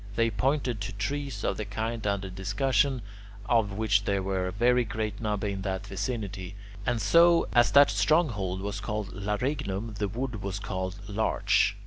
They pointed to trees of the kind under discussion, of which there are very great numbers in that vicinity. And so, as that stronghold was called Larignum, the wood was called larch.